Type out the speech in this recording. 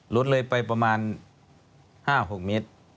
รถเลยไปประมาณ๕๖เมตร